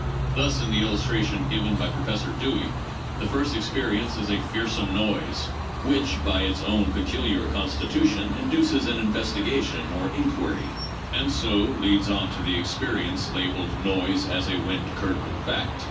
Thus, in the illustra tion given by Professor Dewey, the first experience is a 'fearsome noise,' which by its own peculiar constitution induces an investiga tion or inquiry, and so leads on to the experience labeled, 'noise as a wind curtain fact.'